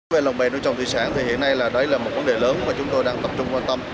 về lồng bè nuôi trồng thị xã hiện nay là một vấn đề lớn mà chúng tôi đang tập trung quan tâm